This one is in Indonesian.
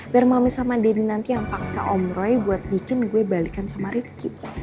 biar mami sama deddy nanti yang paksa om roy buat bikin gue balikan sama rifqi